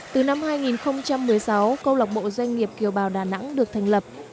từ năm hai nghìn một mươi sáu câu lạc bộ doanh nghiệp kiều bào đà nẵng được thành lập